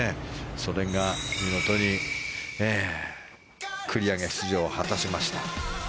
それが見事に繰り上げ出場を果たしました。